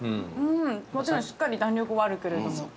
もちろん、しっかり弾力はあるけれども。